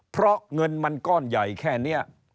เพราะเงินมันก้อนใหญ่แค่นี้